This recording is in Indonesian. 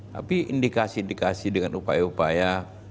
tapi indikasi indikasi dengan upaya upaya